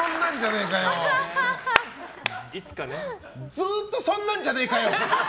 ずっとそんなんじゃねえかよ！